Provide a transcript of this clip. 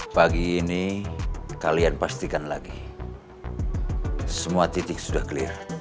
pagi ini kalian pastikan lagi semua titik sudah clear